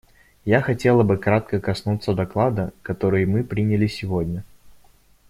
Я хотела бы кратко коснуться доклада, который мы приняли сегодня.